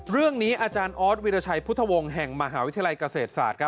เรื่องนี้อวิราชัยพุทธวงศ์แห่งมหาวิทยาลัยเกษตรศาสตร์